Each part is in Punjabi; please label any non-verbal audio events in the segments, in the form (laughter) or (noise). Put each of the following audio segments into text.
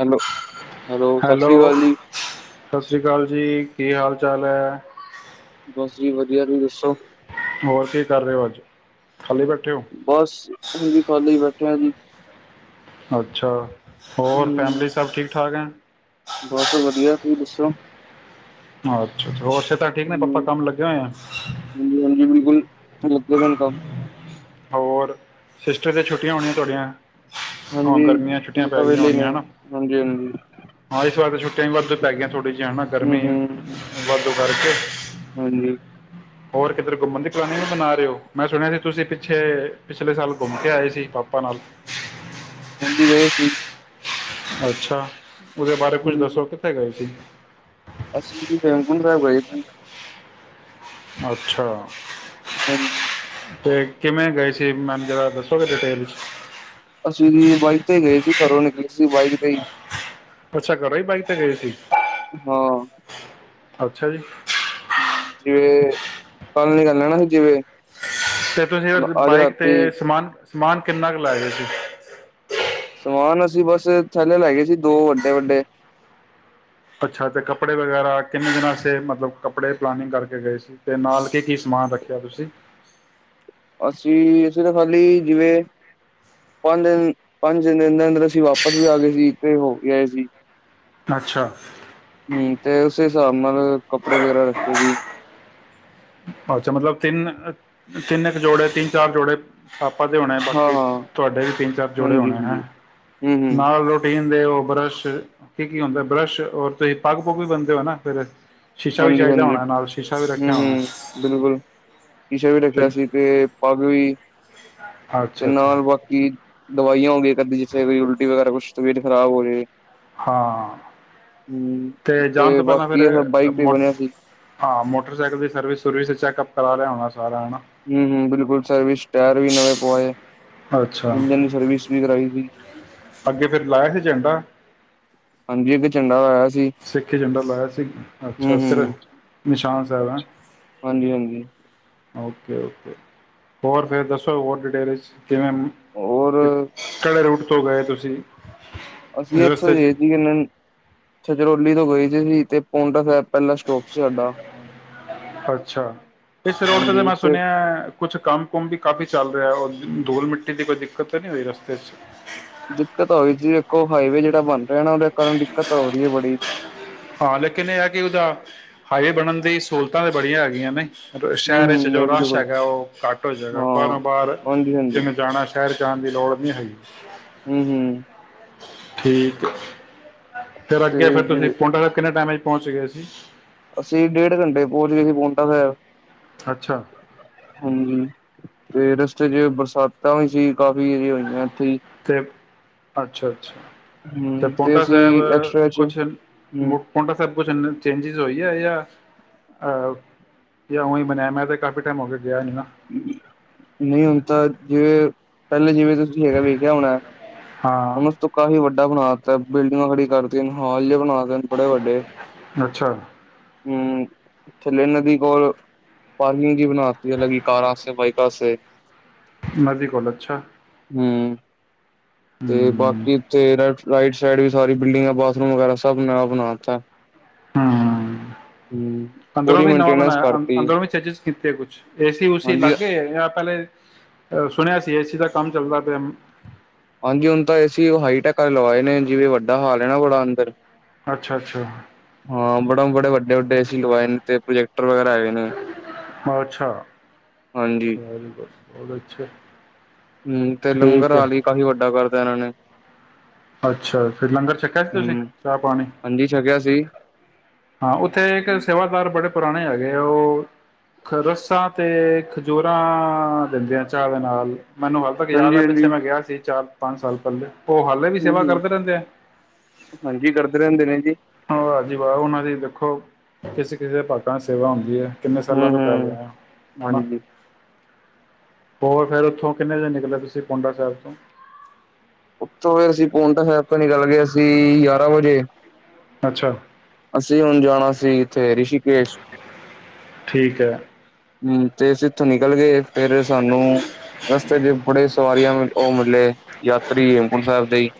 ਹੈਲੋ, ਸਤਿ ਹੈਲੋ ਸ੍ਰੀ ਅਕਾਲ ਜੀ। ਸਤਿ ਸ਼੍ਰੀ ਅਕਾਲ ਜੀ। ਕੀ ਹਾਲ ਚਾਲ ਹੈ। ਬਸ ਜੀ। ਵਧੀਆ। ਤੁਸੀਂ ਦੱਸੋ। ਹੋਰ ਕੀ ਕਰ ਰਹੇ ਹੋ ਅੱਜ। ਖਾਲੀ ਬੈਠੇ ਹੋ ਬਸ ਉਝ ਈ ਖਾਲੀ ਬੈਠ- ਕਿਆ ਜੀ ਅੱਛਾ ਹੋਰ ਹੂੰ, ਫੈਮਲੀ ਸਭ ਠੀਕ ਠਾਕ ਐ। ਬਸ ਵਧੀਆ ਤੁਸੀਂ ਦੱਸੋ? ਅੱਛਾ ਅੱਛ ਹੋਰ- ਫੇ ਤਾਂ ਠੀਕ ਨੇ ਹੂੰ, ਪਾਪਾ ਕੰਮ ਲੱਗੇ ਓਏ ਆਂ ਤੇ ਲਗੇ ਦੇ ਨੇ ਕੰਮ। ਹੋਰ ਸਿਸਟਰ ਤੇ ਛੁੱਟੀਆਂ ਹੋਣੀਆਂ ਤੁਆਡੀਆਂ। ਹਾਂਜੀ ਹੁਣ ਤਾਂ ਵਹਲੇ ਹੋਣੀਆਂ ਨੇ। ਹੈ ਨਾ ਹਾਂਜੀ -ਹਾਂਜੀ ਕਈ ਵਾਰ ਤੇ ਪੈ ਗੀਆਂ ਥੋੜ੍ਹੀ ਏਨਾ ਗਰਮੀ ਵੱਧ ਤੋਂ ਕਰਕੇ ਹਾਂਜੀ ਹੋਰ ਕਿੱਧਰ ਘੁੰਮਣ ਦੀ ਪਲਾਨਿੰਗ ਵੀ ਬਣਾ ਰੇ ਓ। ਮੈਂ ਸੁਣਿਆ ਸੀ, ਤੁਸੀਂ ਪਿੱਛੇ ਪਿਛਲੇ ਸਾਲ ਘੁੰਮ ਕੇ ਆਏ ਸੀ ਪਾਪਾ ਨਾਲ- ਹਾਂਜੀ ਗਏ ਸੀ। ਅੱਛਾ ਉਦੇ ਬਾਰੇ ਕੁੱਝ ਦੱਸੋ ਕਿੱਥੇ ਗਏ ਸੀ? ਅਸੀ ਵੀ ਹੇਮਕੁੰਟ- ਸਏਬ ਗਏ ਸੀ। ਅੱਛਾ ਹਾਂਜੀ ਤੇ ਕਿਵੇਂ ਗਏ ਸੀ? ਮੈਨੂੰ ਜਰਾ ਦੱਸੋਗੇ ਡਿਟੇਲ'ਚ। ਅਸੀਂ ਵੀ ਬਾਈਕ ਤੇ ਗਏ ਸੀ। ਘਰੋਂ ਨਿਕਲੇ ਸੀ ਬਾਈਕ ਤੇ ਈ- ਅੱਛਾ ਘਰੋ ਈ ਬਾਈਕ ਤੇ ਗਏ ਸੀ। ਹਾਂ ਅੱਛਾ ਜੀ ਹੂ ਜੇ ਕੱਲ ਨਿਕਲਨਾ ਜਿਵੇਂ- ਤੇ ਤੁਸੀਂ ਹੁਣ ਉਰ ਅੱਜ ਬਾਈਕ ਤੇ ਰਾਤੀ ਸਮਾਨ ਸਮਾਨ ਕਿੰਨਾ ਕਾ ਲੈ ਗਏ ਸੀ। ਸਮਾਨ ਅਸੀਂ ਬਸ ਥੈਲੇ ਲੈ ਗਏ ਸੀ ਦੋ ਵੱਡੇ -ਵੱਡੇ। ਅੱਛਾ ਤੇ ਕੱਪੜੇ ਵਗੈਰਾ ਕਿੰਨੇ ਦਿਨਾਂ ਅਸਤੇ ਮਤਲਬ ਕੱਪੜੇ ਪਲਾਨਿੰਗ ਕਰਕੇ ਗਏ ਸੀ। ਤੇ ਨਾਲ ਕੀ ਕੀ- ਸਮਾਨ ਰੱਖਿਆ ਤੁਸੀਂ। ਅਸੀਂ ਅਸੀਂ ਤਾਂ ਖਾਲੀ ਜਿਵੇਂ ਪੰਜ ਦਿਨ -ਪੰਜ ਦਿਨ ਦੇ ਅੰਦਰ -ਅੰਦਰ ਅਸੀਂ ਵਾਪਿਸ ਵੀ ਆ ਗਏ ਸੀ ਹੋ ਕੇ ਆਏ ਸੀ। ਅੱਛਾ ਹੂੰ ਤੇ ਉਸੇ ਹਿਸਾਬ ਨਾਲ ਕੱਪੜੇ ਵਗੈਰਾ ਰੱਖੇ ਸੀ। ਅੱਛਾ ਮਤਲਬ ਤਿੰਨ ਤਿੰਨ ਕ ਜੋੜੇ ਤਿੰਨ ਚਾਰ ਜੋੜੇ- ਪਾਪਾਂ ਤੇ ਹੋਣੇ ਬਾਕੀ ਹਾਂ-ਹਾਂ ਤੁਹਾਡੇ ਵੀ ਤਿੰਨ ਚਾਰ ਜੋੜੇ ਹੋਣੇ ਹੈ। ਹਾਂਜੀ-ਹਾਂਜੀ ਹੂੰ-ਹੂੰ ਨਾਲ ਰੋਟੀਨ- ਨਾਲੇ ਓ ਬਰੱਸ਼ ਕੀ ਕੀ ਹੁੰਦਾ ਬਰੱਸ਼। ਰ ਤੁਸੀਂ ਪੱਗ ਪੁੱਗ ਵੀ ਬਣਦੇ ਹੋ ਨਾ। ਫਿਰ ਸ਼ੀਸ਼ਾ ਵੀ ਚਾਹੀਦਾ ਹਾਂਜੀ-ਹਾਂਜੀ ਹੋਣਾ ਨਾਲ ਸ਼ੀਸ਼ਾ ਵੀ ਰੱਖਿਆ ਹੋਣਾ ਹੂੰ-ਹੂੰ ਬਿਲਕੁਲ ਸ਼ੀਸ਼ਾ ਵੀ ਤੇ ਰੱਖਿਆ ਸੀ ਤੇ ਪੱਗ ਵੀ ਤੇ ਅੱਛਾ ਅੱਛਾ ਨਾਲ ਬਾਕੀ ਦਵਾਈਆਂ ਹੋ ਗਈ ਕਰਦੀ ਜਿੱੇ ਕੋਈ ਉਲਟੀ ਵਗੈਰਾ ਕੁਛ ਤਬੀਅਤ ਖਰਾਬ ਹੋ ਰਹੀ ਹੈ ਹਾਂ ਤੇ ਜਾਣ ਤੋਂ ਪਹਿਲਾਂ ਬਾਕੀ ਇਹ ਸਭ ਫੇਿਰ ਬਾਈਕ ਤੇ ਮੋ ਬਣਿਆ ਸੀ ਹਾਂ ਮੋਟਰਸਾਈਕਲ ਦੀ ਸਰਵਿਸ ਸੁਰਵਿਸ ਚੈੱਕਅਪ ਚਲਾ ਲਿਆ ਹੋਣਾ ਸੀ ਹਮ ਹਮ ਬਿਲਕੁਲ ਸਰਵਿਸ ਟਾਇਰ ਵੀ ਨਵੇਂ ਪੁਆਏ ਆ ਅੱਛਾ ਇੰਜਨ ਦੀ ਸਰਵਿਸ ਵੀ ਕਰਾਈ ਸੀ (inaudible) ਅੱਗੇ ਫੇਿਰ ਲਾਇਆ ਸੀ ਝੰਡਾ ਹਾਂਜੀ ਅੱਗੇ ਝੰਡਾ ਹੋਇਆ ਸਿੱਖ ਝੰਡਾ ਲਾਇਆ ਸੀ ਅੱਛਾ ਫਿਰ ਨਿਸ਼ਾਨ ਦਾਲਾ ਹਾਂਜੀ ਹਾਂਜੀ ਓਕੇ ਓਕੇ ਹੋਰ ਫੇਿਰ ਦੱਸੋ ਹੋਰ ਡਿਟੇਲਜ ਕਿਵੇਂ ਹੋਰ ਕਿਹੜੇ ਰੂਟ ਤੇ ਉੱਥੋਂ ਗਏ ਤੁਸੀਂ ਅਸੀਂ ਇੱਥੋਂ ਰਸਤੇ ਹੀ ਦੇ 'ਚ ਸੀ ਕਿ ਛਜਰੋਲੀ ਤੋਂ ਗਈ ਸੀ ਤੇ ਪੋਂਟਾ ਸਾਹਿਬ ਪਹਿਲਾਂ ਸਟੋਕ ਸੀ ਸਾਡਾ ਅੱਛਾ ਇਸ ਰੋਡ ਤੇ ਤਾਂ ਹਾਂਜੀ ਮੈਂ ਉੱਥੇ ਸੁਣਿਆ ਕੁਛ ਕੰਮ ਕੁਮ ਵੀ ਕਾਫੀ ਚੱਲ ਰਿਹਾ ਧੋਲ ਮਿੱਟੀ ਦੀ ਕੋਈ ਦਿੱਕਤ ਤਾਂ ਨਹੀਂ ਹੋਈ ਰਸਤੇ 'ਚ ਦਿੱਕਤ ਹੋਈ ਜ ਦੇਖੋ ਹਾਈਵੇ ਜਿਹੜਾ ਬਣ ਰਿਹਾ ਨਾ ਉਹਦੇ ਕਾਰਨ ਦਿੱਕਤ ਹੋ ਰਹੀ ਹੈ ਬੜੀ ਹਾਂ ਲੇਕਿਨ ਇਹ ਹੈ ਕਿ ਉਹਦਾ ਹਾਈਵੇ ਬਣਨ ਦੇ ਸਹੂਲਤਾਂ ਤਾਂ ਬੜੀਆਂ ਹੈਗੀਆਂ ਨੇ ਸ਼ਹਿਰ ਹੂੰ-ਹੂੰ 'ਚ ਜੋ ਨਹੀਂ ਰਸ਼ ਬਿਲਕੁਲ ਹੈਗਾ ਉਹ ਘੱਟ ਹੋ ਜਾਗਾ ਹਾਂ ਬਾਰੋਂ ਬਾਹਰ ਹਾਂਜੀ-ਹਾਂਜੀ ਜਿਵੇਂ ਜਾਣਾ ਸ਼ਹਿਰ 'ਚ ਜਾਣ ਦੀ ਲੋੜ ਨਹੀਂ ਹੈਗੀ ਹਮ ਹਮ ਠੀਕ ਫਿਰ ਤੇ ਅੱਗੇ ਫੇ ਤੁਸੀ ਜਿਵੇਂ ਪੌਂਟਾ ਸਾਹਿਬ ਕਿੰੇ ਟਾਈਮ ਪਹੁੰਚ ਗਿਆਏ ਸੀ ਅਸੀਂ ਡੇਢ ਘੰਟੇ ਪਹੁੰਚ ਗਏ ਸੀ ਪਹੁੰਚ ਹਹ ਅੱਛਾ ਹਾਂਜੀ ਤੇ ਰ ਤੇ ਜੇ ਬਰਸਾਤਾਂ ਵੀ ਸੀ ਕਾਫੀ ਜੇ ਹੋਈਆਂ ਹੀ ਤੇ ਅੱਛਾ ਤੇ ਹੂੰ ਪਾਉਂਟਾ ਅਸੀਂ ਸਾਹਿਬ ਐਕਸਟਰਾ ਚ ਕੁਛ ਹੂੰ ਮੁ ਪਾਉਂਟਾ ਸਾਹਿਬ (unintelligible) ਚੇਂਜਿਸ ਹੋਈ ਹੈ ਜਾਂ ਅ ਜਾਂ ਉਹੀ ਬਣਿਆ ਮੈਂ ਤੇ ਕਾਫੀ ਟਾਈਮ ਹੋ ਗਿਆ ਗਿਆ ਨਹੀਂ ਨਾ ਨਹੀਂ ਹੁਨ ਤਾਂ ਜੇ ਪਹਿਲੇ ਜਿਵੇਂ ਤੁਸੀਂ ਹੈਗਾ ਵੇਖਿਆ ਹੋਣਾ। ਹੁਣ ਉਸ ਹਾਂ ਤੋਂ ਕਾਫ਼ੀ ਵੱਡ ਬਨਾ ਤਾ ਬਿਲਡਿੰਗਾਂ ਖੜੀ ਕਰ ਤਿਆ ਨੇ ਹਾਲ ਜੇ ਨਾ ਤੇ ਨੇ ਬੜੇ ਵੱਡੇ। ਅੱਛਾ ਹਮ ਥੱਲੇ ਨਦੀ ਕੋਲ ਪਾਰਕਿੰਗ ਜੀ ਬਣਾ ਤੀ ਏ ਅਲੱਗ ਹੀ ਕਾਰਾਂ ਆਸੇ ਵਾਈਕਾਂ ਆਸੇ। ਨਦੀ ਕੋਲ ਅੱਛਾ। ਹੂੰ ਤੇ ਹੂੰ ਬਾਕੀ ਇੱਥੇ ਰੈਸ ਰਾਈਟ ਸਾਈਡ ਵੀ ਸਾਰੀ ਬਿਲਡਿੰਗ ਬਾਥਰੂਮ ਵਗੈਰਾ ਸਭ ਨਯਾ ਬਨਾ ਤਾਂ। ਹਾ। ਅੰਦਰੋਂ ਪੂਰੀ ਵੀ ਨਵਾਂ ਮੇਨਟੇਨੈਂਸ ਬਣਾਇਆ ਕਰਤੀ ਅੰਦਰੋਂ ਵੀ ਚੇਜਿਸ ਕੀਤੇ ਕੁਛ ਏਸੀ ਸੀ ਹਾਂਜੀ ਲਾਗੇਏ ਯਾ ਪਹਿਲੇ ਸੁਣਿਆ ਸੀ ਏਸੀ ਦਾ ਕੰਮ ਚੱਲਦਾ ਪਿਆ। ਹਾਂਜੀ ਹੁਣ ਤਾਂ ਏਸੀ ਹਾਈਟੈਕੇ ਲਵਾਏ ਨੇ ਜਿਵੇ ਵੱਡਾ ਹਾਲ ਨਾ ਬੜਾ ਅੰਦਰ। ਅੱਛਾ ਅੱਛਾ ਹਾਂ ਬੜਾ ਬੜੇ ਵੱਡੇ-ਵੱਡੇ ਏਸੀ ਲਵਾਏ ਨੇ ਤੇ ਪ੍ਰੋਜੈਕਟਰ ਵਗੈਰਾ ਆਏ ਨੇ ਅੱਛਾ ਹਾਂਜੀ। ਵੈਰੀ ਗੁੱਡ ਬਹੁਤ ਅੱਛਾ। ਹਮ ਤੇ ਲੰਗਰ ਠੀਕ ਹੈ ਵੀ ਕਾਫ਼ੀ ਵੱਡਾ ਕਰ ਤਾਂ ਇਨ੍ਹਾਂ ਨੇ। ਅੱਛਾ ਫੇਰ ਲੰਗਰ ਛੱਕਿਆ ਸੀ ਤੁਸੀਂ ਹੂੰ ਚਾਹ ਪਾਣੀ ਹਾਂਜੀ ਛਕਿਆ ਸੀ। ਹਾਂ ਉੱਥੇ ਇੱਕ ਸੇਵਾਦਾਰ ਬੜੇ ਪੁਰਾਣੇ ਆ ਤੇ ਉਹ ਖ ਰੱਸਾਂ ਤੇ ਖੰਜੂਰਾਂ ਦਿੰਦੇ ਆ ਚਾਹ ਦੇ ਨਾਲ। ਮੈਨੂੰ ਹਲੇ ਤੱਕ ਯਾਦ ਹੈ ਹਾਂਜੀ-ਹਾਂਜੀ ਪਿੱਛੇ ਮੈਂ ਗਿਆ ਸੀ ਚਾਰ ਪੰਜ ਸਾਲ ਪਹਿਲੇ ਉਹ ਹਾਲੇ ਵੀ ਸੇਵਾ ਹਮ-ਹਮ ਕਰਦੇ ਰਹਿੰਦੇ ਆ ਹਾਂਜੀ ਕਰਦੇ ਰਹਿੰਦੇ ਨੇ ਜੀ। ਵਾਹ ਜੀ ਵਾਹ ਉਹਨਾਂ ਦੀ ਦੇਖੋ ਕਿਸੇ, ਕਿਸੇ ਦੇ ਭਾਗਾਂ ਦੀ ਸੇਵਾ ਹੁੰਦੀ ਹੈ। ਕਿੰਨੇ ਸਾਲਾਂ ਤੋਂ ਕਰ ਹੂੰ-ਹੂੰ ਰਿਹਾ ਹਨਾ। ਹਾਂਜੀ ਹੋਰ ਫੇਰ ਉੱਥੋਂ ਕਿੰਨੇ ਵਜੇ ਨਿਕਲੇ ਤੁਸੀਂ ਪੋਂਟਾ ਸਾਹਿਬ ਤੋਂ। ਉੱਥੋਂ ਫਿਰ ਅਸੀਂ ਪੋਂਟਾ ਸਾਹਿਬ ਤੋਂ ਨਿਕਲ ਤੇ ਅਸੀਂ ਯਾਰਾਂ ਵਜੇ। ਅੱਛਾ ਅਸੀਂ ਹੁਣ ਜਾਣਾ ਸੀ ਇੱਥੇ ਰਿਸ਼ਕੇਸ਼। ਠੀਕ ਹੈ ਹਮ ਤੇ ਅਸੀ ਇਥੋਂ ਨੀ ਨਿਕਲ ਗਏ ਫੇਿਰ ਸਾਨੂੰ ਰਸਤੇ ਚ ਬੜੇ ਸਵਾਰੀਆਂ ਉਹ ਮਿਲੇ ਯਾਤਰੀ ਹੇਮਕੁੰਟ ਸਾਹਿਬ ਦੇ ਹੀ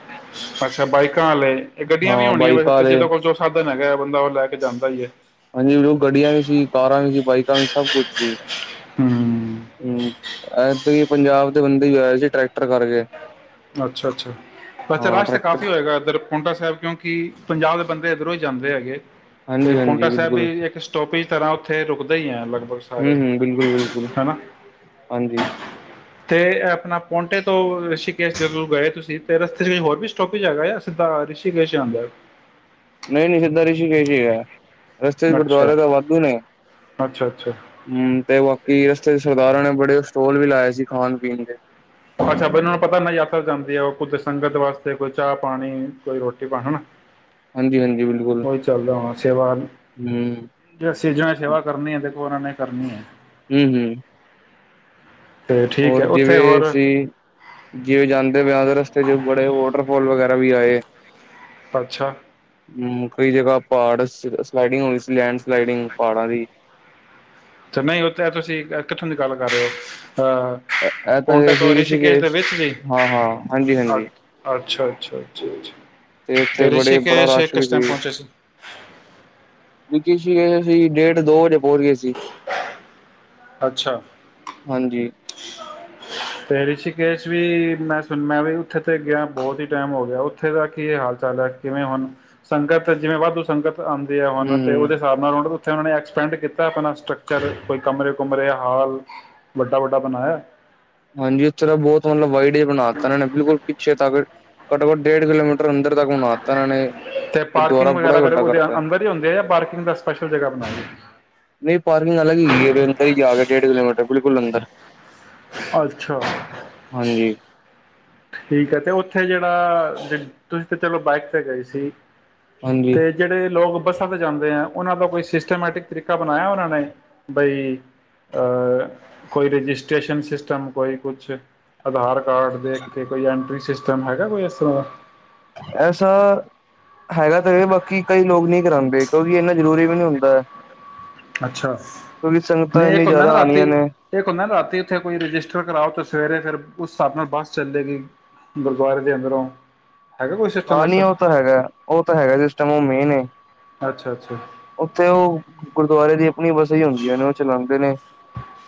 ਅੱਛਾ ਬਾਈਕਾਂ ਵਾਲੇ ਗੱਡੀਆਂ ਵੀ ਹਾਂ ਹੋਣੀਆਂ ਵੈਸੇ ਬਾਈਕਾਂ ਤਾਂ ਆਲੇ ਜਦੋਂ ਕੋਲ ਨ ਗਿਆ ਬੰਦਾ ਉਹ ਲੈ ਕੇ ਜਾਂਦਾ ਈ ਹੈ ਹਾਂਜੀ ਗੱਡੀਆਂ ਵੀ ਸੀ ਕਾਰਾਂ ਵੀ ਸੀ ਬਾਈਕ ਦ ਸਭ ਕੁਛ ਸੀੀ ਹੂੰ ਹਮ ਅ ਤੁੂੰ ਪੰਜਾਬ ਦੇ ਬੰਦੇ ਵੀ ਆਏ ਸੀ ਟਰੈਕਟਰ ਕਰਕੇ ਅੱਛਾ ਅੱਛਾ ਅੱਛਾ ਹਾਂ ਰਸ਼ ਤਾਂ ਟਰੈਕਟਰ ਕਾਫੀ ਹੋਏਗਾ ਇੱਧਰ ਪੋਂਟਾ ਸਾਹਿਬ ਕਿਉਂ ਕਿ ਪੰਜਾਬ ਦੇ ਬੰਦੇ ਇੱਧਰੋਂ ਹੀ ਜਾਂਦੇ ਹੈਗੇ ਤੇ ਹਾਂਜੀ ਹਾਂਜੀ ਪੋਂਟਾ ਸਾਹਿਬ ਬਿਲਕੁਲ ਵੀ ਇੱਕ ਸਟੋਪ ਤਰ੍ਹਾਂ ਉੱਥੇ ਰੁਕਦੇ ਹੀ ਲੱਗਦਾ ਹਮ ਹਮ ਬਿਲਕੁਲ ਬਿਲਕੁਲ ਹਾਂਜੀ ਤੇ ਆਪਣਾ ਪੋਂਟੇ ਤੋਂ ਰਿਸ਼ੀਕੇਸ਼ ਜਦੋਂ ਗਏ ਤੁਸੀਂ ਤੇ ਰਸਤੇ ਚ ਹੋਰ ਵੀ ਸਟੋਪੀਜ ਹੈਗਾ ਆ ਸਿੱਧਾ ਰਿਸ਼ੀਕੇਸ਼ ਜਾਂਉਦਾ ਹੈ ਨਹੀਂ ਨਹੀਂ ਸਿੱਧਾ ਰਿਸ਼ੀ ਕ ਸੀ ਗਿਆ ਰਸਤੇ ਚ ਤਾਂ ਅੱਛਾ ਗੁਰਦਵਾਰੇ ਤਾਂ ਵਾਧੂ ਨੇ ਅੱਛਾ ਅੱਛਾ ਹਮ ਤੇ ਬਾਕੀ ਰਸਤੇ ਸਰਦਾਰਾਂ ਨੇ ਬੜੇ ਸਟੋਲ ਵੀ ਲਾਏ ਸੀ ਖਾਣ ਪੀਣ ਦੇ ਅੱਛਾ ਇਹਨਾਂ ਨੂੰ ਪਤਾ ਨਾ ਯਾਥ ਜਾਂਦੀ ਆ ਉਹ ਕੁੱਜ਼ ਸੰਗਤ ਵਾਸਤੇ ਕੋਈ ਚਾਹ ਪਾਣੀ ਕੋਈ ਰੋਟੀ ਪਾਣੀਾ ਹਾਂਜੀ ਹਾਂਜੀ ਬਿਲਕੁਲ ਉਹੀ ਚੱਲਦਾ ਹਣਾ ਸੇਵਾ ਹੂੰ ਜੇ ਸੀਜ਼ਨ ਏ ਸੇਵਾ ਕਰਨੀ ਆ ਤੇ ਉਹਨਾਂ ਨੇ ਕਰਨੀ ਹੈ ਹਮ ਹਮ ਤੇ ਠੀਕ ਹੋਰ ਹੈ ਉੱਥੇ ਜਿਵੇਂ ਹੋਰ ਅਸੀਂ ਜਿਵੇ ਜਾਂਦੇ ਵਿਆਹ ਦੇ ਰਸਤੇ ਚ ਬੜੇ ਵਾਟਰਫੋਲ ਵਗੈਰਾ ਕਵੀ ਆਏ। ਅੱਛਾ। ਹੂੰ, ਕਈ ਜਗਾ ਪ੍ਹਾੜ ਸ ਸਲਾਈਡਿੰਗ ਹੋ ਊੰ ਲੈਂਡ ਸਲਾਈਡਿੰਗ ਪ੍ਹਾੜਾ ਦੀ। ਤੇ ਨਈ, ਓਥੇ ਤੁਸੀ ਐ ਕਿੱਥੋਂ ਦੀ ਗੱਲ ਕਰ ਰੇ ਓ? ਐ, ਐ ਤਾਂ ਐਸੀ ਦੇ ਰਿਸ਼ੀਕੇਸ਼। ਵਿੱਚ ਜੀ ਹਾਂ, ਹਾਂ, ਹਾਂਜੀ, ਹਾਂਜੀ ਅੱਛਾ ਅੱਛਾ, ਅੱਛਾ, ਅੱਛਾ ਤੇ ਓਥੇ ਬੜੇ-ਬੜਾ ਰਿਸ਼ੀਕੇਸ਼ ਰਸ਼ ਕਿਸ ਟਾਈਮ ਵੀ। ਪਹੁੰਚੇ ਸੀ (unintelligible) ਡੇਢ ਦੋ ਵਜੇ ਪੋਂਚ ਗੇ ਸੀ। ਅੱਛਾ ਹਾਂਜੀ। ਤੇ ਰਿਸ਼ੀਕੇਸ਼ ਵੀ ਮੈਂ ਸੁਨ ਮੈ ਵੀ ਓਥੇ ਤੇ ਗੇਆਂ, ਬੋਤ ਹੀ ਟੈਮ ਹੋ ਗੇਆ, ਓਥੇ ਦਾ ਕੀ ਹਾਲ ਚਾਲ ਐ? ਜਿਵੇਂ ਹੋਨ ਸੰਗਤ ਜਿਵੇਂ ਵਾਦੂ ਸੰਗਤ (unintelligible) ਤੇ ਹੂੰ ਹੂੰ ਓਨਾਂ ਨੇ ਐਕਸਪੈਂਡ ਕੀਤੈ? ਆਪਨਾ ਸੑਟਕਚਰ ਕੋਈ ਕਮਰੇ- ਕੁਮਰੇ ਹਾਲ ਵੱਡਾ, ਵੱਡਾ ਬਨਾਏ ਆ ਏ? ਹਾਂਜੀ, ਓਥੇ ਤਾਂ ਬਹੁਤ ਹੁਨ ਵਾਈਟ ਬਣਾ ਤੈ ਬਿਲਕੁਲ ਪਿੱਛੇ ਤਕ। ਘਟੋ- ਘਟ ਡੇਢ ਕਿਲੋਮੀਟਰ ਅੰਦਰ ਦਾ ਘੂਮਾਤਾ ਏਨਾ ਨੇ। ਤੇ ਗੁਰਦੁਆਰਾ ਪਾਰਕਿੰਗ ਬੜਾ ਈ ਵਗੈਰਾ ਫਿਰ ਵੱਡਾ ਉਹਦੇ ਕੜਤੈ ਐ, ਅੰਦਰ ਹੀ ਹੁੰਦੀ ਹੈ ਜਾਂ ਪਾਰਕਿੰਗ ਦਾ ਸਪੈਸ਼ਲ ਜਗ੍ਹਾ ਬਣਾਈ ਨਹੀਂ ਪਾਰਕਿੰਗ ਅਲੱਗ ਹੀਗੀ, ਅੰਦਰ ਹੀ ਜਾ ਕੇ ਡੇਢ ਕਿਲੋਮੀਟਰ। ਬਿਕੁਲ ਅੰਦਰ। ਅੱਛਾ। ਹਾਂਜੀ ਠੀਕ ਐ, ਤੇ ਓਥੇ ਜੇੜਾ ਜ ਚ ਤੁਸੀ ਤੇ ਚਲੋ ਬਾਈਕ ਤੇ ਗਏ ਸੀ। ਹਾਂਜੀ ਤੇ ਜੇੜੇ ਲੋਗ ਬੱਸਾਂ ਤੇ ਜਾਂਦੇ ਐ, ਓਨਾਂ ਦਾ ਕੋਈ ਸਿਸਟਮੈਟਿਕ ਤਰੀਕਾ ਬਨਾਯਾ ਓਨਾਂ ਨੇ? ਬਈ ਕੋਈ ਅ ਰਜਿਸ੍ਰੇਸ਼ਨ ਸਿਸਟਮ ਕੋਈ ਕੁਛ? ਅਧਾਰ ਕਾਰਡ ਦੇ ਐਂਟਰੀ ਸਿਸਟਮ ਹੈਗੈ ਕੋਈ ਇਸ ਤਰਾਂ ਦਾ? ਐਸਾ- ਹੈਗਾ ਤੇ ਵੇ, ਬਾਕੀ ਕਈ ਲੋਗ ਨਈ ਕਰਾਂਦੇ, ਕੇਓ ਕਿ ਐਨਾ ਜਰੂਰੀ ਵੀ ਨੀ ਹੁੰਦੈ ਐ। ਅੱਛਾ, ਨਈ ਏਕ ਇੰਨੀ ਹੁੰਦੈ ਏ ਜ਼ਿਆਦਾ ਨਾ ਰਾਤੀ ਆਉਣੀਆਂ ਨੇ ਏਕ ਹੁੰਦੈ ਏ ਨਾ ਰਾਤੀ ਉਥੇ ਕੋਈ ਰਜਿਸਟਰ ਕਰਾਓ ਤੇ ਸਵੇਰੇ ਫਿਰ ਉਸ ਸਾਬ ਨਾਲ ਬਸ ਚੱਲੇਗੀ ਗੁਰਦੁਆਰੇ ਦੇ ਅੰਦਰੋਂ ਹੈਗਾ ਕੋਈ ਸਿਸਟਮ ਹਾਂ, ਨੀ ਐਸਾ ਓ ਤਾ ਹੈਗੈ, ਓ ਤਾ ਹੈਗੈ, ਓ ਸਿਸਟਮ ਓ ਮੇਨ ਏ। ਅੱਛਾ, ਅੱਛਾ। ਓਥੇ ਓ ਗੁਰਦੁਆਰੇ ਦੀ ਨਈ ਬਸ ਏਈ ਹੁੰਦੀਆਂ ਨੇ ਓ ਚਲਾਂਦੇ ਨੇ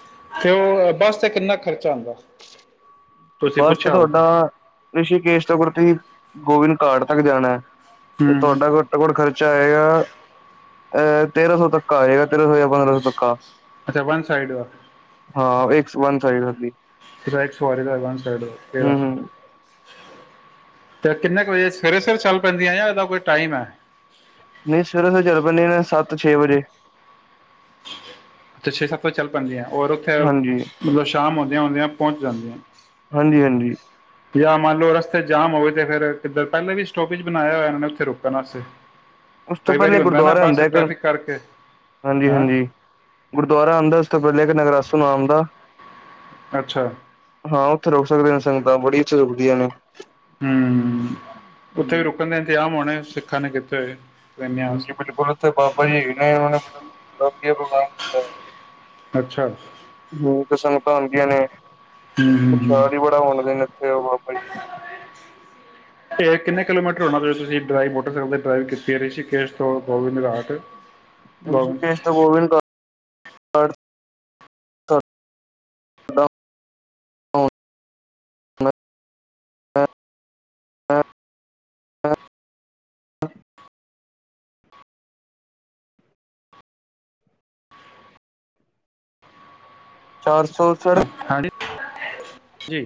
(unintelligible) ਓਹ ਬਸ ਤੇ ਕਿੰਨਾ ਖ਼ਰਚਾ ਆਂਦਾ? ਬਸ ਤੋਡਾ ਰਿਸ਼ੀਕੇਸ਼ ਤੋਂ ਗੁਰਦੀ ਗੋਬਿੰਦ ਘਾਟ ਤੱਕ ਜਾਣੈ ਤੇ ਹੂੰ ਤੁਹਾਡਾ ਘੱਟੋ ਘੱਟ ਖ਼ਰਚਾ ਆਏਗਾ ਐ ਤੇਰਾਂ ਸੋ ਤੱਕ ਆ ਜੇਗਾ। ਅੱਛਾ, ਵਨ ਸਾਈੜ ਦਾ? ਹਾਂ, ਇੱਕ ਸ ਵਨ ਸਾਈੜ ਦਾ ਸੀ। (unintelligible) ਸਵਾਰੀ ਦਾ ਵਨ ਸਾਈਡ਼ ਦਾ ਤੇਰਾ ਹੂੰ ਸੋ। ਤੇ ਏ ਕਿੰਨੇ ਕ ਵਜੇ ਸਵੇਰੇ, ਸਵੇਰੇ ਚੱਲ ਪੈਂਦੀਆਂ ਯਾ ਏਦਾ ਕੋਈ ਟਾਈਮ ਐ? ਨਈ, ਸਵੇਰੇ-ਸਵੇਰੇ ਚੱਲ ਪੈਂਦੀਆਂ ਨੇ ਸੱਤ ਛੇ ਵਜੇ। ਤੇ ਛੇ- ਸੱਤ ਵਜੇ ਚੱਲ ਪੈਂਦੀਆ? ਓਰ ਉੱਥੇ ਐ, ਹਾਂਜੀ ਮਲਬ ਸ਼ਾਮ ਹੁੰਦੇਆਂ ਹੁੰਦੇਆ ਪੋਂਚ ਜਾਂਦੀਆ? ਹਾਂਜੀ ਹਾਂਜੀ ਯਾ ਮਾਂਨਲੋ ਰਸਤੇ ਚ ਜਾਮ ਹੋਵੇ, ਤੇ ਫੇਰ ਕਿੱਦਰ ਪੈਲੇ ਵੀ ਸਟੋਪੇਜ ਬਨਾਏਆ ਹੋਯਾ ਏਨਾਨੇ ਨੇ ਉੱਥੇ ਰੁਕਨ ਵਾਸਤੇ? ਉਸ ਤੋਂ ਕਈ ਵਾਰੀ ਪੈਲੇ ਹੁੰਦਾ ਨਾ ਗੁਰਦਵਾਰਾ ਬੱਸ ਆਂਦੈ, ਫਿਰ ਟ੍ਰੈਫਿਕ ਕਰਕੇ ਹਾਂਜੀ, ਹੈਂ ਹਾਂਜੀ ਗੁਰਦੁਵਾਰਾ ਆਂਦੈ। ਉਸ ਤੋਂ ਪੈਲੇ ਇਕ ਨਗਰਾਸੋ ਨਾਮ ਦਾ, ਅੱਛਾ ਹਾਂ। ਓਥੇ ਰੋਕ ਸਕਦੀਆਂ ਨੇ ਸੰਗਤਾਂ ਬੜੀ ਛ ਰੁਕਦੀਆਂ ਨੇ। ਹੂੰ, ਉੱਥੇ ਵੀ ਰੁਕਨ ਦੇ ਇੰਤਜ਼ਾਮ ਹੋਣੇ (unintelligible) ਨੇ ਕਿਤੇ ਹੋਏ ਟ੍ਰੇਨਾਂ ਹਾਂਜੀ, ਵਾਸਤੇ ਬਿਲਕੁਲ ਉਥੇ ਬਾਬਾ ਜੀ ਹੈਗੇ ਨੇ ਓਨਾ ਨੇ (inaudible) ਅੱਛਾ। ਹੂੰ, ਤੇ ਸੰਗਤਾਂ ਹੁੰਦੀਆਂ ਨੇ ਹੂੰ ਹੂੰ ਪ੍ਰਸ੍ਹਵੀ ਬੜਾ ਵੰਡਦੇ ਨੇ ਉਥੇ ਉਹ ਬਾਬਾ ਜੀ। ਏ ਕਿੰਨੇ ਕਿਲੋਮੀਟਰ ਹੋਣਾ? ਜੋ ਤੁਸੀਂ ਡਰਾਈਵ ਮੋਟਰਸਾਈਕਲ ਤੋ ਡਰਾਈਵ ਕੀਤੀ ਰਿਸੀ਼ਕੇਸ਼ ਤੋ ਗੋਬਿੰਦ ਘਾਟ। ਗੋਬਿੰਦ ਰਿਸ਼ੀਕੇਸ਼ ਤੋਂ ਗੋਬਿੰਦ ਘਾਟ ਹੜ (unintelligible) ਚਾਰ ਸੌ ਸਾੜੇ ਹਾਂਜੀ ਜੀ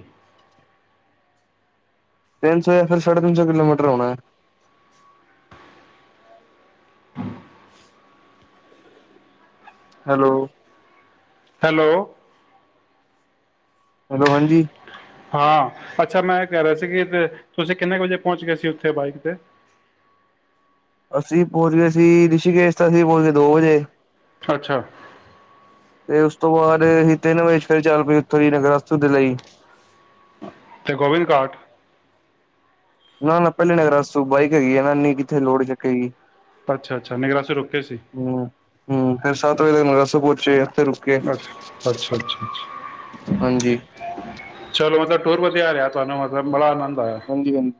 ਤਿੰਨ ਸੋ ਯਾ ਫਿਰ ਸਾੜੇ ਤਿੰਨ ਸੋ ਕਿਲੋਮੀਟਰ ਹੋਨਾ ਏ। (inaudible) ਹੈਲੋ। ਹੈਲੋ। ਹੈਲੋ ਹਾਂਜੀ। ਹਾਂ, ਅੱਛਾ ਮੈਂ ਐ ਕੈ ਰੇਆ ਸੀ, ਕਿ ਤੁਸੀ ਕਿੰਨੇ ਕ ਵਜੇ ਪੋਹਂਚ ਗਏ ਸੀ ਉੱਥੇ ਬਾਈਕ ਤੇ। ਅਸੀ ਪੋਚ ਗਏ ਸੀ, ਰਿਸ਼ੀਕੇਸ਼ ਤਾ ਅਸੀ ਪੋਚ ਗਏ ਦੋ ਵਜੇ ਅੱਛਾ ਤੇ ਉਸ ਤੋ ਬਾਦ ਅਹੀ ਤਿੰਨ ਵਜੇ ਫਿਰ ਚੱਲ ਪਏ ਉੱਥੋਂ ਦੀ ਨਗਰਸਤੂ ਦੇ ਲਈ ਤੇ ਗੋਬਿੰਦ ਘਾਟ? ਨਾ ਨਾ ਪੈਲੇ ਨੱਗਰਾਸੂ, ਬਾਈਕ ਹੈਗੀ ਆ ਨਾ ਇਨੀ ਕਿੱਥੇ ਲੋਡ ਚੱਕੇਗੀ। ਅੱਛਾ-ਅੱਛਾ ਨਿਗਰਾਸੂ ਰੁਕੇ ਸੀ। ਫੇਰ (unintelligible) ਪੋਚੇ ਆ। ਅੱਛਾ ਅੱਛਾ ਹਾਂਜੀ ਚਲੋ ਟੂਰ ਵਧਿਆ ਰਿਹਾ ਤੁਹਾਨੂੰ ਮਤਲਬ ਬੜਾ ਆਨੰਦ ਆਇਆ। ਹਾਂਜੀ ਹਾਂਜੀ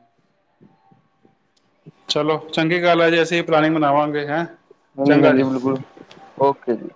ਚਲੋ ਚੰਗੀ ਗੱਲ ਹੈ, ਜੇ ਅਸੀਂ ਵੀ ਪਲੈਨਿਂਗ ਬਨਾਵਾਂਗੇ ਹੈਂ। ਹਾਂਜੀ ਚੰਗਾ ਹਾਂਜੀ ਜੀ ਬਿਲਕੁਲ, ਓਕੇ ਜੀ।